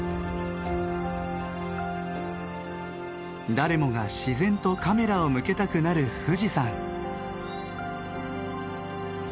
誰もが自然とカメラを向けたくなる富士山。